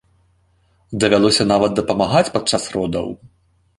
Давялося нават дапамагаць падчас родаў!